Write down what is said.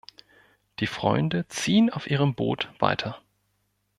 Die Freunde ziehen auf ihrem Boot weiter.